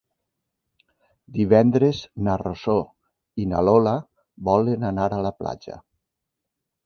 Divendres na Rosó i na Lola volen anar a la platja.